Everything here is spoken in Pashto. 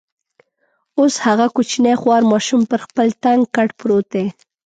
اوس هغه کوچنی خوار ماشوم پر خپل تنګ کټ پروت دی.